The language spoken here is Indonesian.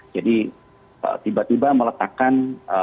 jadi tiba tiba meletakkan